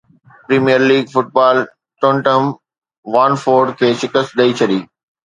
premier League football Tottenham Watford کي شڪست ڏئي ڇڏي